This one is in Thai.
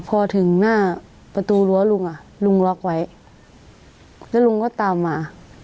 พอถึงหน้าประตูรั้วลุงอ่ะลุงล็อกไว้แล้วลุงก็ตามมา